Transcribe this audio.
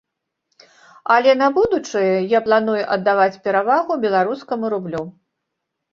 Але на будучае я планую аддаваць перавагу беларускаму рублю.